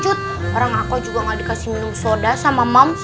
orang aku juga gak dikasih minum soda sama mom